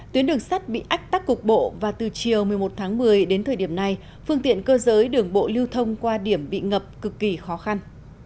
tuyến đường sắt bị ách tắc cục bộ và từ chiều một mươi một tháng một mươi đến thời điểm này phương tiện cơ giới đường bộ lưu thông qua điểm bị ngập cực kỳ khó khăn